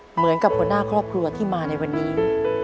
เหมือนกับหัวหน้าครอบครัวที่มาในวันนี้